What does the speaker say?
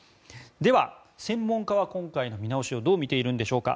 では、専門家は今回の見直しをどう見ているんでしょうか。